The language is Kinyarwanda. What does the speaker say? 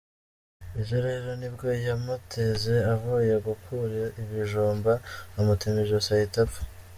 Ejo rero nibwo yamuteze avuye gukura ibijumba amutema ijosi ahita apfa.